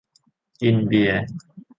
กินเบียร์